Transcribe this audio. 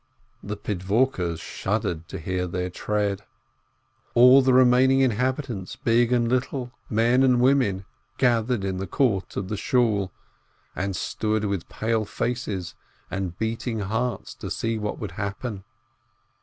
The Pidvorkes shuddered to hear their tread. All the remaining inhabitants, big and little, men and women, gathered in the court of the Shool, and stood with pale faces and beating hearts to see what would happen.